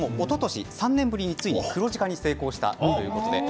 ３年ぶりにおととし黒字化に成功したということです。